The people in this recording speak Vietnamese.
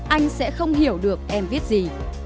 anh sẽ không hiểu được em viết gì